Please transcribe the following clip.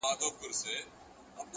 بيا تس ته سپكاوى كوي بدرنگه ككــرۍ.!